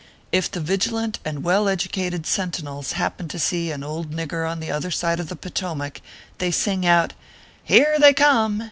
If the vigilant and well educated sentinels happen to see an old nigger on the other side of the Potomac, they sing out, "Here they come!"